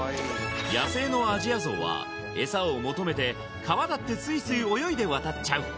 野生のアジアゾウはエサを求めて川だってすいすい泳いで渡っちゃう